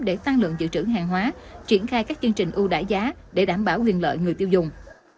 để tăng lượng dự trữ hàng hóa triển khai các chương trình ưu đãi giá để đảm bảo quyền lợi người tiêu dùng